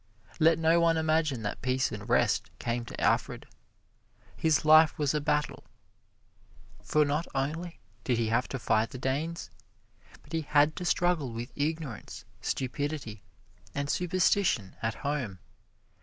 Let no one imagine that peace and rest came to Alfred. His life was a battle, for not only did he have to fight the Danes, but he had to struggle with ignorance, stupidity and superstition at home.